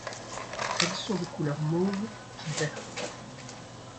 Elles sont de couleurs mauves et vertes.